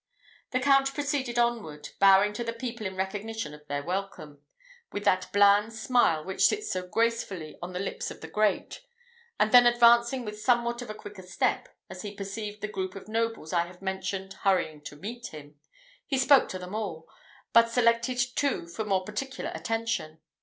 The Count proceeded onward, bowing to the people in recognition of their welcome, with that bland smile which sits so gracefully on the lips of the great; and then advancing with somewhat of a quicker step, as he perceived the group of nobles I have mentioned hurrying to meet him, he spoke to them all, but selected two for more particular attention.